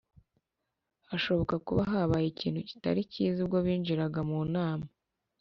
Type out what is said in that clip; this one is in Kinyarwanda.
hashoboka kuba habaye ikintu kitari kiza ubwo binjiraga mu nama